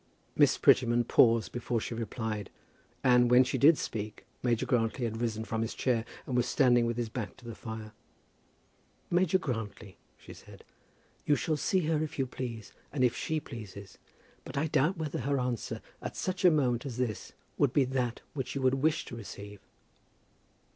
Miss Prettyman paused before she replied, and, when she did speak, Major Grantly had risen from his chair and was standing with his back to the fire. "Major Grantly," she said, "you shall see her if you please, and if she pleases; but I doubt whether her answer at such a moment as this would be that which you would wish to receive."